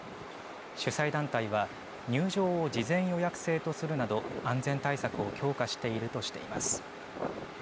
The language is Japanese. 主催団体は入場を事前予約制とするなど安全対策を強化しているとしています。